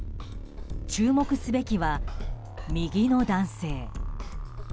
注目すべきは、右の男性。